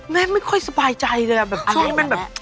ไม่ค่อยสบายใจเลยอ่ะแบบช่วงนี้มันแบบ